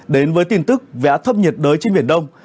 đến với tin tức về áp thấp nhiệt đới trên biển đông